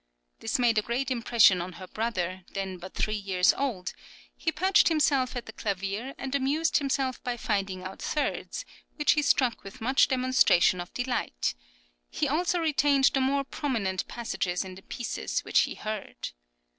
This made a great impression on her brother, then but three years old; he perched himself at the clavier, and amused himself by finding out thirds, which he struck with much demonstration of delight; he also retained the more prominent passages in the pieces which he heard.